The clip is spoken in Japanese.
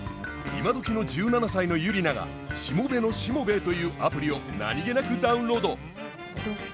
今どきの１７歳のユリナが「しもべのしもべえ」というアプリを何気なくダウンロード。